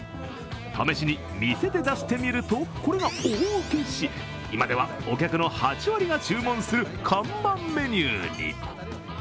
試しに店で出してみると、これが大ウケし、今ではお客の８割が注文する看板メニューに。